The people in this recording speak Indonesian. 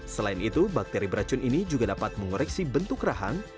selain itu bakteri beracun ini juga dapat mengoreksi bentuk rahang